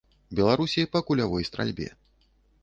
Беларусі па кулявой стральбе.